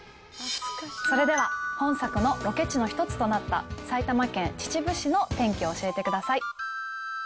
それでは、本作のロケ地の一つとなった埼玉県秩父市の天気を教えてください